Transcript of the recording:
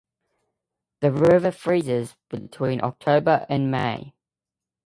The river freezes between October and May.